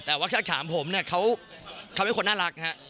แต่ว่าแค่ถามผมเขาไม่คนน่ารักนะครับ